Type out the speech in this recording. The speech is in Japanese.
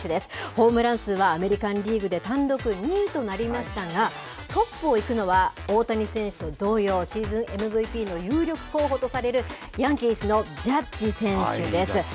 ホームラン数はアメリカンリーグで単独２位となりましたが、トップをいくのは、大谷選手と同様、シーズンＭＶＰの有力候補とされるヤンキースのジャッジ選手です。